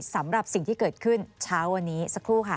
สำหรับสิ่งที่เกิดขึ้นเช้าวันนี้สักครู่ค่ะ